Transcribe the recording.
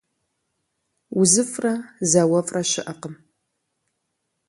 УзыфӀрэ зауэфӀрэ щыӀэкъым.